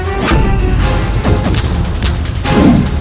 aku akan pergi ke istana yang lain